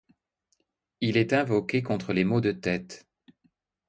Il est invoqué contre les maux de tête.